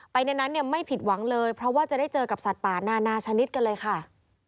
ในนั้นเนี่ยไม่ผิดหวังเลยเพราะว่าจะได้เจอกับสัตว์ป่านานาชนิดกันเลยค่ะ